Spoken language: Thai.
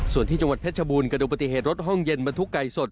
ส่วนที่จังหวัดเพชรบูรณกระดูกปฏิเหตุรถห้องเย็นบรรทุกไก่สด